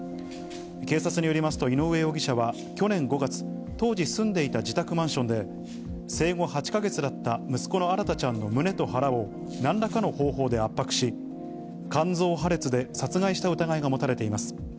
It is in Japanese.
警察によりますと、井上容疑者は去年５月、当時住んでいた自宅マンションで、生後８か月だった息子のあらたちゃんの胸と腹をなんらかの方法で圧迫し、肝臓破裂で殺害した疑いが持たれています。